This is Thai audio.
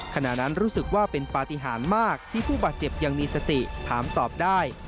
ขณะนั้นรู้สึกว่าเป็นปฏิหารมากที่ผู้บาดเจ็บยังมีสติถามตอบได้